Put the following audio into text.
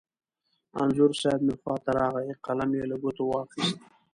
انځور صاحب مې خوا ته راغی، قلم یې له ګوتو واخست.